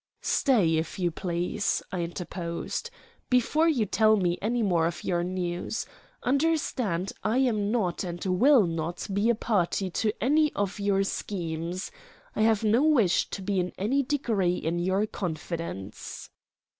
"Stay, if you please," I interposed, "before you tell me any more of your news. Understand, I am not, and will not, be a party to any of your schemes. I have no wish to be in any degree in your confidence."